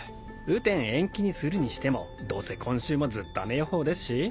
雨天延期にするにしてもどうせ今週もずっと雨予報ですし。